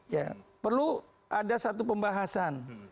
ya perlu ada satu pembahasan